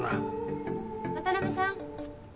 渡辺さん！